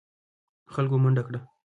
خلکو منډه کړه.